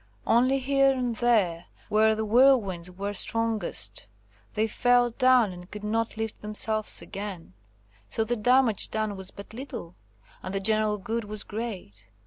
Only here and there, where the whirlwinds were strongest, they fell down and could not lift themselves again. So the damage done was but little, and the general good was great.